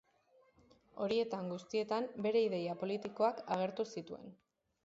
Horietan guztietan bere ideia politikoak agertu zituen.